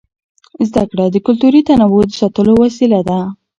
زده کړه د کلتوري تنوع د ساتلو وسیله ده.